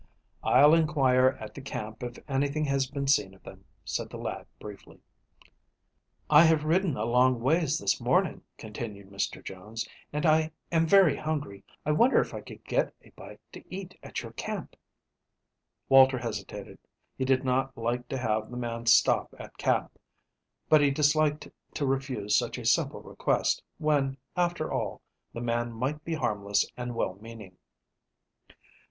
"I'll inquire at the camp if anything has been seen of them," said the lad briefly. "I have ridden a long ways this morning," continued Mr. Jones, "and I am very hungry. I wonder if I could get a bite to eat at your camp." Walter hesitated. He did not like to have the man stop at camp, but he disliked to refuse such a simple request, when, after all, the man might be harmless and well meaning.